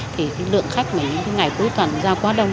thì lượng khách những ngày cuối tuần ra quá đông